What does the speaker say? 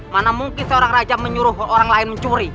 mana mungkin seorang raja menyuruh orang lain mencuri